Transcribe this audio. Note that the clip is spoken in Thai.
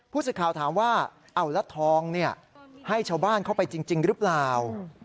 สิทธิ์ข่าวถามว่าเอาแล้วทองให้ชาวบ้านเข้าไปจริงหรือเปล่า